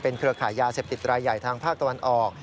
เครือขายยาเสพติดรายใหญ่ทางภาคตะวันออก